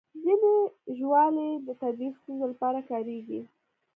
ځینې ژاولې د طبي ستونزو لپاره کارېږي.